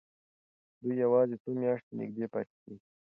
دوی یوازې څو میاشتې نږدې پاتې کېږي.